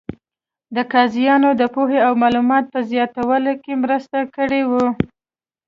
د قاضیانو د پوهې او معلوماتو په زیاتوالي کې مرسته کړې وه.